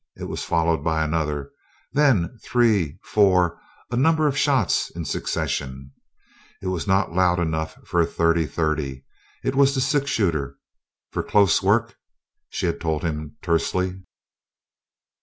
It was followed by another, then three, four a number of shots in succession. It was not loud enough for a 30 30. It was the six shooter! "For close work!" she had told him tersely.